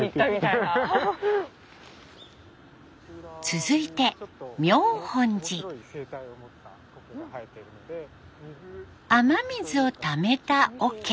続いて雨水をためたおけ。